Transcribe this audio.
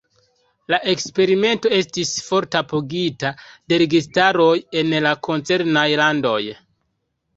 La eksperimento estis forte apogita de registaroj en la koncernaj landoj.